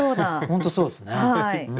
本当そうですね。